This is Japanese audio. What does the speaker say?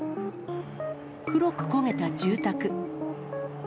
黒く焦げた住宅。